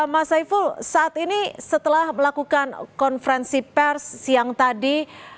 mas saiful saat ini setelah melakukan konferensi pers siang tadi